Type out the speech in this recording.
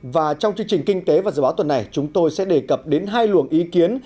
và trong chương trình kinh tế và dự báo tuần này chúng tôi sẽ đề cập đến hai luồng ý kiến